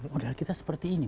modal kita seperti ini